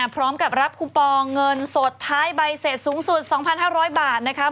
พร้อมกับรับคูปองเงินสดท้ายใบเสร็จสูงสุด๒๕๐๐บาทนะคะ